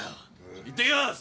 いってきます。